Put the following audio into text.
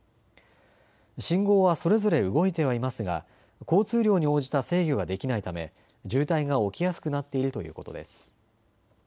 信号はそれぞれ動いてはいますが交通量に応じた制御ができないため、渋滞が起きやすくなっているということです。